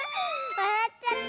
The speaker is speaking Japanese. わらっちゃった！